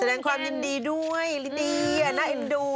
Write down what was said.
แสดงความยินดีด้วยลิดีน่าเอ็นดู